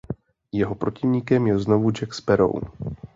Jeho protivníkem je znovu Jack Sparrow.